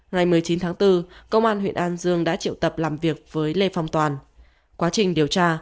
ngày một mươi chín tháng bốn công an huyện an dương đã triệu tập làm việc với lê phong toàn quá trình điều tra